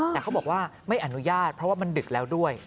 แต่เขาบอกว่าไม่อนุญาตเพราะว่ามันดึกแล้วด้วย